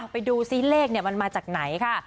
ไปดูซิเลขมันมาจากไหนค่ะ